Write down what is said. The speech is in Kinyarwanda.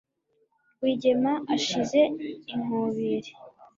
Rwigemera ashize inkubiri